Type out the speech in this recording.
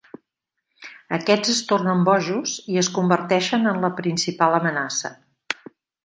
Aquests es tornen bojos i es converteixen en la principal amenaça.